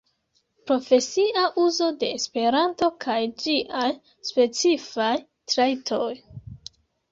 Profesia uzo de Esperanto kaj ĝiaj specifaj trajtoj.